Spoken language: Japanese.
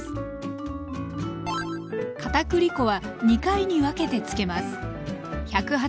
片栗粉は２回に分けてつけます。